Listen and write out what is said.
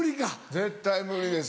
絶対無理です